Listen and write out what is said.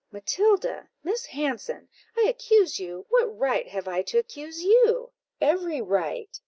"Matilda! Miss Hanson! I accuse you! what right have I to accuse you?" "Every right.